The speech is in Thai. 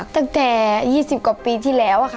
ตั้งแต่๒๐กว่าปีที่แล้วค่ะ